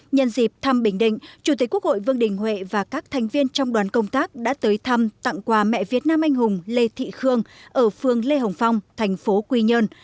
nhân dịp thăm bình định chủ tịch quốc hội vương đình huệ và các thành viên trong đoàn công tác đã tới thăm tặng quà mẹ việt nam anh hùng lê thị khương ở phường lê hồng phong thành phố quy nhơn